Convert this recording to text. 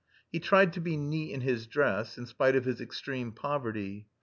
He tried to be neat in his dress, in spite of his extreme poverty.